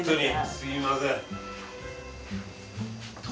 すみません。